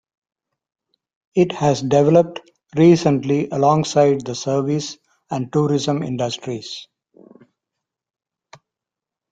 It has developed recently alongside the service and tourism industries.